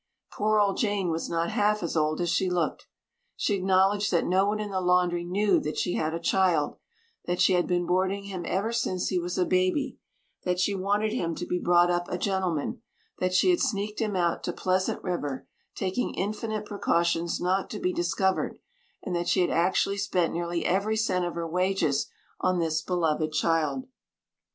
Poor old Jane was not half as old as she looked. She acknowledged that no one in the laundry knew that she had a child; that she had been boarding him ever since he was a baby; that she wanted him to be brought up a gentleman; that she had sneaked him out to Pleasant River, taking infinite precautions not to be discovered; and that she had actually spent nearly every cent of her wages on this beloved child.